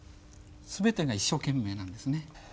全てが一生懸命なんですね。